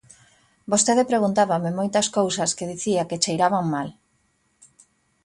Vostede preguntábame moitas cousas que dicía que cheiraban mal.